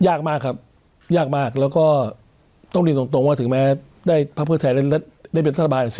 ยากมากครับยากมากแล้วก็ต้องเรียนตรงว่าถึงแม้ได้พักเพื่อไทยและได้เป็นรัฐบาล